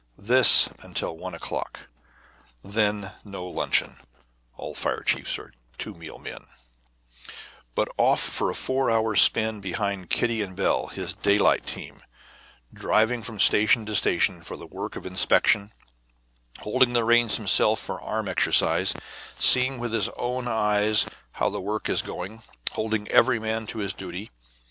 This until one o'clock. Then no luncheon (all fire chiefs are two meal men), but off for a four hours' spin behind Kitty and Belle, his daylight team, driving from station to station for the work of inspection, holding the reins himself for arm exercise, seeing with his own eyes how the work is going, holding every man to his duty.